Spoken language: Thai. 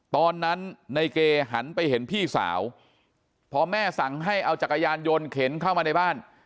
ตอนนั้นในเกหันไปเห็นพี่สาวพอแม่สั่งให้เอาจักรยานยนต์เข็นเข้ามาในบ้าน